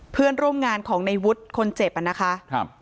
เพื่อนร่วมงานของในวุฒิคนเจ็บอ่ะนะคะครับ